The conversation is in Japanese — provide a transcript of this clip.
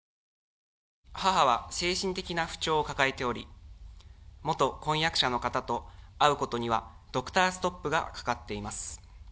母は精神的な不調を抱えており、元婚約者の方と会うことには、ドクターストップがかかっています。